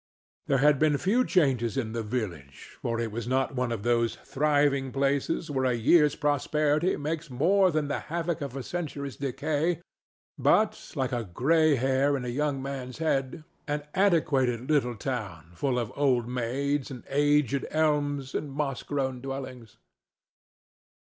There had been few changes in the village, for it was not one of those thriving places where a year's prosperity makes more than the havoc of a century's decay, but, like a gray hair in a young man's head, an antiquated little town full of old maids and aged elms and moss grown dwellings.